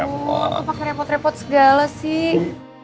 ya ampun aku pakai repot repot segala sih